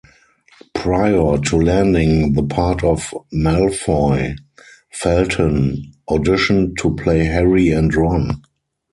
Prior to landing the part of Malfoy, Felton auditioned to play Harry and Ron.